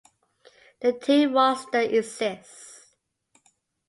The team roster exists.